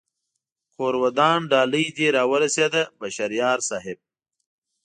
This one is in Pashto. کور ودان ډالۍ دې را و رسېده بشر یار صاحب